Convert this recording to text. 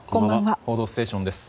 「報道ステーション」です。